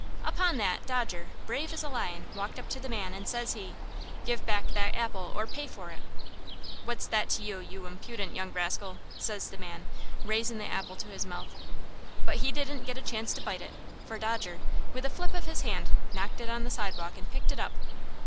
"Upon that, Dodger, brave as a lion, walked up to the man, and, says he: "'Give back that apple, or pay for it!' "'What's that to you, you impudent young rascal?' says the man, raisin' the apple to his mouth. But he didn't get a chance to bite it, for Dodger, with a flip of his hand, knocked it on the sidewalk, and picked it up.